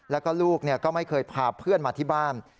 แล้วก็ลูกก็ไม่เคยพาเพื่อนมาที่บ้าน